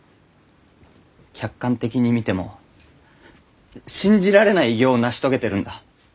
客観的に見ても信じられない偉業を成し遂げてるんだ。